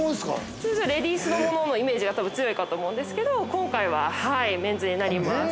◆通常、レディースのもののイメージが多分強いかと思うんですけど今回はメンズになります。